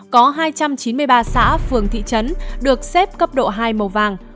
có hai trăm chín mươi ba xã phường thị trấn được xếp cấp độ hai màu vàng